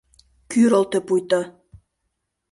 Кӱрылтӧ пуйто...